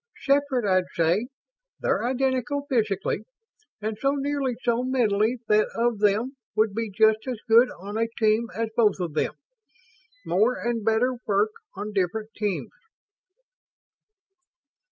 "Separate, I'd say. They're identical physically, and so nearly so mentally that of them would be just as good on a team as both of them. More and better work on different teams."